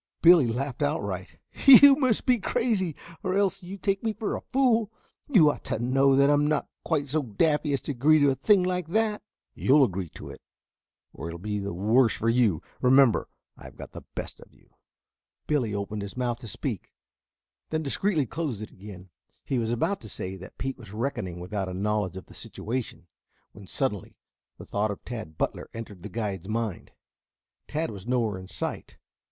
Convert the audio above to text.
Billy laughed outright. "You must be crazy, or else you take me for a fool. You ought to know that I'm not quite so daffy as to agree to a thing like that." "You'll agree or it will be the worse for you. Remember I've got the best of you." Billy opened his mouth to speak, then discreetly closed it again. He was about to say that Pete was reckoning without a knowledge of the situation, when suddenly the thought of Tad Butler entered the guide's mind. Tad was nowhere in sight.